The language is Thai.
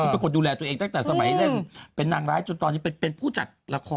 เป็นคนดูแลตัวเองตั้งแต่สมัยเล่นเป็นนางร้ายจนตอนนี้เป็นผู้จัดละคร